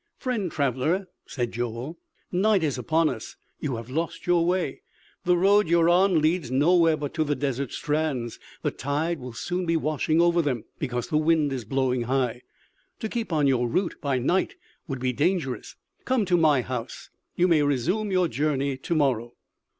"Friend traveler," said Joel, "night is upon us; you have lost your way; the road you are on leads nowhere but to the desert strands; the tide will soon be washing over them because the wind is blowing high. To keep on your route by night would be dangerous. Come to my house. You may resume your journey to morrow."